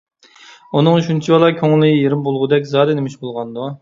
ئۇنىڭ شۇنچىۋالا كۆڭلى يېرىم بولغۇدەك زادى نېمىش بولغاندۇ؟